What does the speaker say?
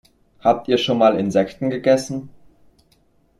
Habt ihr schon mal Insekten gegessen?